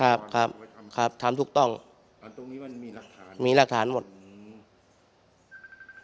ครับครับทำถูกต้องอ่าตรงนี้มันมีหลักฐานมีหลักฐานหมดอืม